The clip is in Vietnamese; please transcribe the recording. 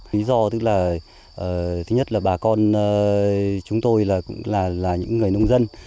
lý do tức là thứ nhất là bà con chúng tôi là cũng là những người nông dân